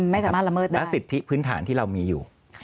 ไม่สามารถละเมิดได้และสิทธิพื้นฐานที่เรามีอยู่